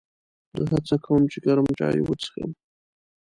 زه هڅه کوم چې ګرم چای وڅښم.